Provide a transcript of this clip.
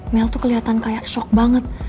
mel tuh kelihatan kayak shock banget